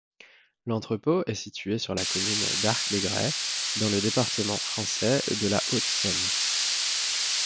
L'entrepôt est situé sur la commune d'Arc-lès-Gray, dans le département français de la Haute-Saône.